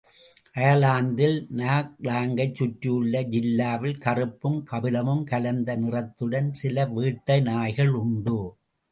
அயர்லாந்தில் நாக்லாங்கைச் சுற்றியுள்ள ஜில்லாவில் கறுப்பும் கபிலமும் கலந்த நிறத்துடன் சில வேட்டை நாய்களுண்டு.